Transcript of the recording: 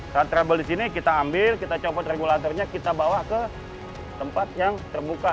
saat trouble di sini kita ambil kita copot regulatornya kita bawa ke tempat yang terbuka